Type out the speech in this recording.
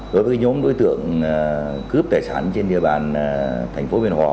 đối với nhóm đối tượng cướp tài sản trên địa bàn thành phố biên hòa